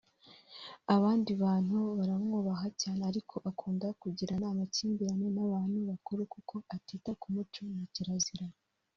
abandi bantu baramwubaha cyane ariko akunda kugirana amakimbirane n’abantu bakuru kuko atita ku muco na zakirazira